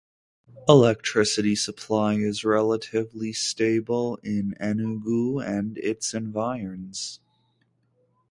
Electricity supply is relatively stable in Enugu and its Environs.